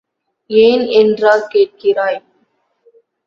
ஏன் என்றா கேட்கிறாய்?